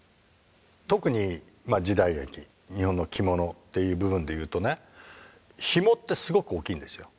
特に時代劇日本の着物っていう部分でいうとねひもってすごく大きいんですよ。